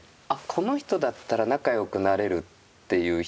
この人だったら仲良くなれるっていう人。